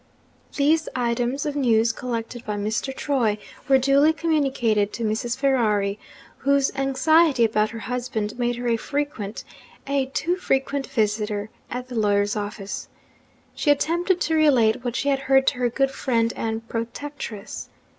These items of news, collected by Mr. Troy, were duly communicated to Mrs. Ferrari, whose anxiety about her husband made her a frequent, a too frequent, visitor at the lawyer's office. She attempted to relate what she had heard to her good friend and protectress.